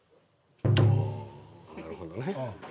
ああなるほどね。